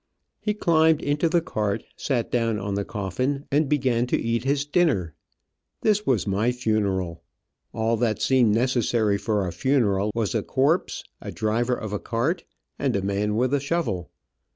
He climbed into the cart, sat down on the coffin and began to eat his dinner. This was my funeral. All that seemed necessary for a funeral was a corpse, a driver of a cart, and a man with a shovel.